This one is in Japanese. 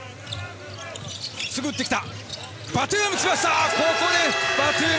すぐ打ってきた。